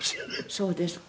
そうですか？